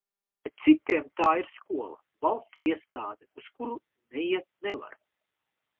Bet citiem tā ir skola, valsts iestāde, uz kuru neiet nevar.